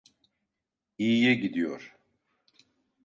İyiye gidiyor.